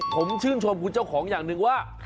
ผมชื่นชมคุณเจ้าของอย่างหนึ่งว่า